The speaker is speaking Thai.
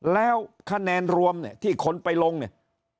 แล้วคะแนนรวมเนี่ยที่คนไปลงเนี่ย